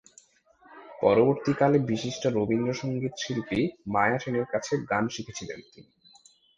পরবর্তীকালে বিশিষ্ট রবীন্দ্রসংগীত শিল্পী মায়া সেনের কাছে গান শিখেছিলেন তিনি।